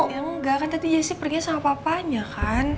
ya enggak kan tadi jessy perginya sama papanya kan